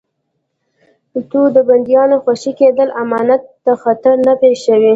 نو د بندیانو خوشي کېدل امنیت ته خطر نه پېښوي.